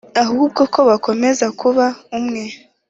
ahubwo ko bakomeza kuba umwe.